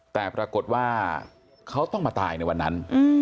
แต่ปรากฏว่าเขาต้องมาตายในวันนั้น